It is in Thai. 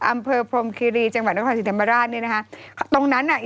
อำเภอพรมคิรีจังหวัดนครศรีธรรมราชเนี่ยนะคะตรงนั้นอ่ะ